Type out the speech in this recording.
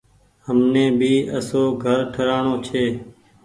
همني ڀي آسو گھر ٺرآڻو کپي۔